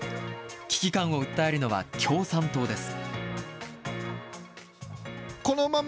危機感を訴えるのは共産党です。